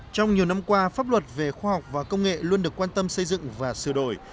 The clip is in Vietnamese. trong nhiều năm qua pháp luật về khoa học và công nghệ luôn được quan tâm xây dựng và sửa đổi